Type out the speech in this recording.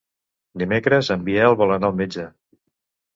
Dimecres en Biel vol anar al metge.